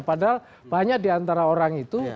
padahal banyak diantara orang itu